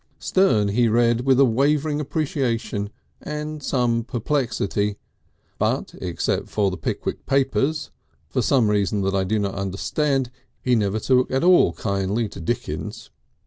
Sterne he read with a wavering appreciation and some perplexity, but except for the Pickwick Papers, for some reason that I do not understand he never took at all kindly to Dickens.